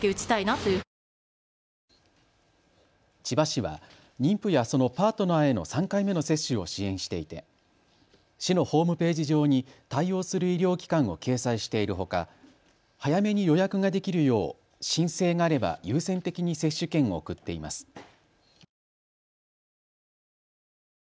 千葉市は妊婦やそのパートナーへの３回目の接種を支援していて市のホームページ上に対応する医療機関を掲載しているほか早めに予約ができるよう申請があれば優先的に接種券を送っています。